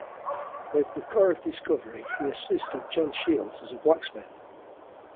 With the Corps of Discovery, he assisted John Shields as a blacksmith.